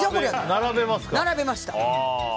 並べました。